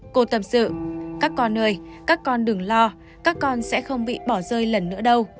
cô tâm sự các con ơi các con đừng lo các con sẽ không bị bỏ rơi lần nữa đâu